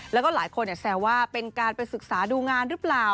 แล้วก็หลายคนแซวว่าเป็นการไปศึกษาดูงานหรือเปล่า